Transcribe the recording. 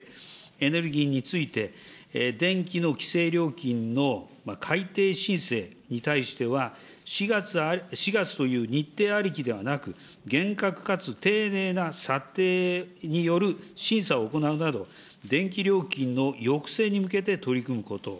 そしてそれに加えて、先週、物価賃金生活総合対策本部、これを開催して、エネルギーについて、電気の規制料金の改定申請に対しては４月という日程ありきではなく、厳格かつ丁寧な査定による審査を行うなど、電気料金の抑制に向けて取り組むこと。